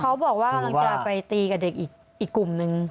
เขาบอกว่ากำลังจะไปตีกับเด็กอีกกลุ่มนึง